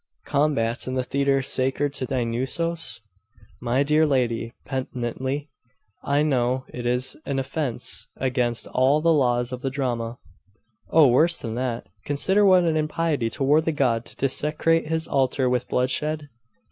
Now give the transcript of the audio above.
'Combats in the Theatre sacred to Dionusos?' 'My dear lady' penitently 'I know it is an offence against all the laws of the drama.' 'Oh, worse than that! Consider what an impiety toward the god, to desecrate his altar with bloodshed?